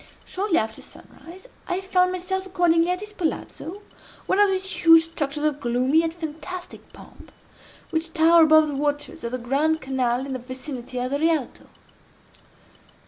Shortly after sunrise, I found myself accordingly at his Palazzo, one of those huge structures of gloomy, yet fantastic pomp, which tower above the waters of the Grand Canal in the vicinity of the Rialto.